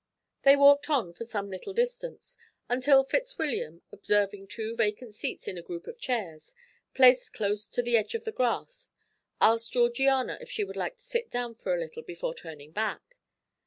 They walked on for some little distance, until Fitzwilliam, observing two vacant seats in a group of chairs, placed close to the edge of the grass, asked Georgiana if she would like to sit down for a little before turning back.